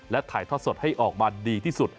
และถ่ายทอดสดให้ออกมาดีที่สุด